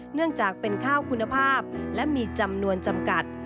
เนื่องจากเป็นข้าวคุณภาพและมีจำนวนจำกัด